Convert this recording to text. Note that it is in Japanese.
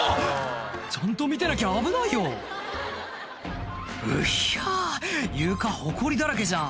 ちゃんと見てなきゃ危ないよ「うっひゃ床ほこりだらけじゃん」